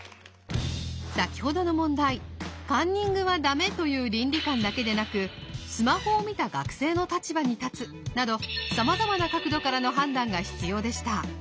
先ほどの問題カンニングはダメという倫理観だけでなくスマホを見た学生の立場に立つなどさまざまな角度からの判断が必要でした。